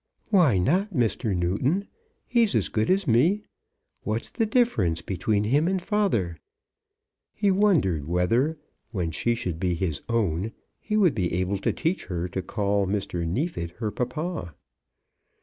"Why not, Mr. Newton? He's as good as me. What's the difference between him and father?" He wondered whether, when she should be his own, he would be able to teach her to call Mr. Neefit her papa.